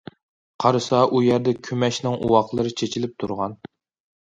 قارىسا ئۇ يەردە كۆمەچنىڭ ئۇۋاقلىرى چېچىلىپ تۇرغان.